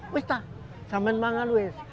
wis tak saman mangal wis